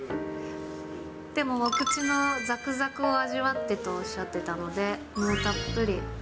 でも、お口のざくざくを味わってとおっしゃってたので、たっぷり。